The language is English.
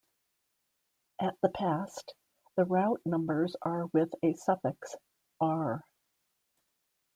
At the past, the route numbers are with a suffix "R".